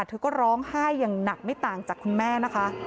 เธอก็ร้องไห้อย่างหนักไม่ต่างจากคุณแม่นะคะ